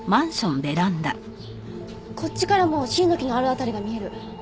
こっちからもシイの木のある辺りが見える。